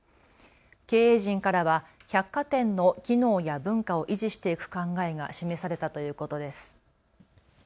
経営陣からは百貨店の機能や文化を維持していく考えが示されたということです。